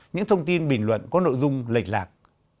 những thông tin bình luận có nội dung lệch lạc